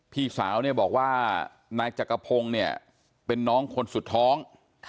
พี่สาวเนี่ยบอกว่านายจักรพงศ์เนี่ยเป็นน้องคนสุดท้อง